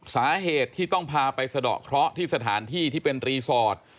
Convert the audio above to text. สาเหตุที่ต้องพาไปสะดอกเคราะห์ที่สถานที่ที่เป็นรีสอร์ท